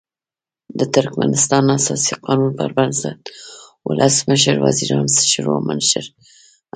د ترکمنستان اساسي قانون پر بنسټ ولسمشر د وزیرانو شورا مشر هم دی.